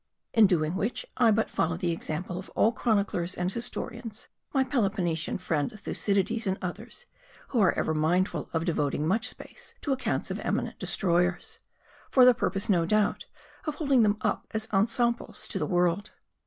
In doing which, I but follow the example of all chroniclers and historians, my Peloponnesian friend Thucydides and others, who are ever mindful of de voting much space to accounts of eminent destroyers ; for 126 M A R D I. the purpose, no doubt, of holding them up as ensamples to the world.